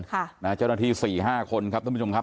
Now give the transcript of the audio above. ค่ะนะฮะเจ้าหน้าที่๔๕คนครับทุกผู้ชมครับ